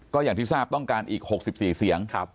ก็อย่างที่ทราบต้องการอีก๖๔เสียง